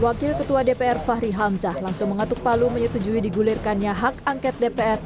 wakil ketua dpr fahri hamzah langsung mengatuk palu menyetujui digulirkannya hak angket dpr